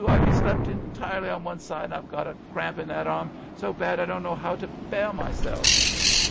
I be slept entirely a' one side, and I've a got the cramp in that arm zo bad I doan't know how to bear myself."